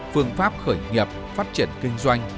phương pháp khởi nghiệp phát triển kinh doanh